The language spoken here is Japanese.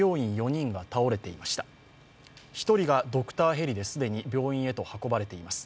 １人がドクターヘリで既に病院へと運ばれています。